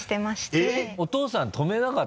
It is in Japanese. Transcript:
えっ！？